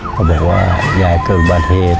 เขาบอกว่ายายเกิดประเทศ